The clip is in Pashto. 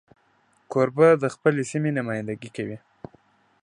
کوربه د خپلې سیمې نمایندګي کوي.